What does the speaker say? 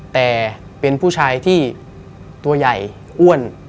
แต่เป็นผู้ชายที่ตัวใหญ่อ้วน